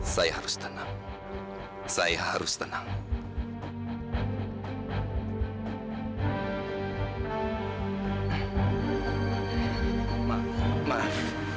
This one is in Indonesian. saya harus tenang saya harus tenang